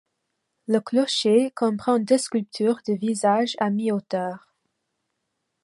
Le clocher comprend deux sculptures de visage à mi-hauteur.